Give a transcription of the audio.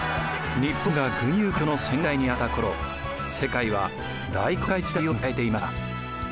日本が「群雄割拠」の戦国時代にあった頃世界は大航海時代を迎えていました。